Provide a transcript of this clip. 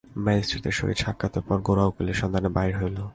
ম্যাজিস্ট্রেটের সহিত সাক্ষাতের পর গোরা উকিলের সন্ধানে বাহির হইল।